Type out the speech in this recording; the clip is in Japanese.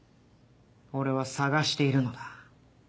俺は探しているのだ。